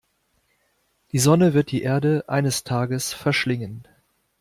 Die Sonne wird die Erde eines Tages verschlingen.